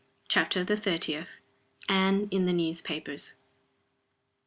CHAPTER THE THIRTIETH. ANNE IN THE NEWSPAPERS.